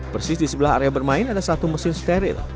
persis di sebelah area bermain ada satu mesin steril